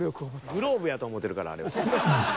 ［グローブやと思ってるからあれを］